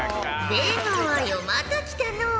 出川よまた来たのう。